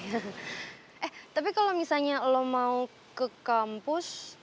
eh tapi kalo misalnya lu mau ke kampus